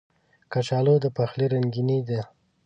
کچالو د پخلي رنګیني ده